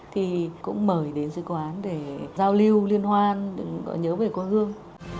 thì cũng mời đến sư quán để giao lưu liên hoan nhớ về con gương